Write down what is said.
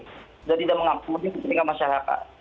sudah tidak mengaku mungkin kecuali kemasyarakat